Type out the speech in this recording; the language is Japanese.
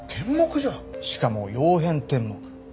しかも曜変天目。